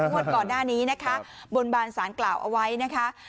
งวดก่อนหน้านี้นะคะบนบานสารกล่าวเอาไว้นะคะ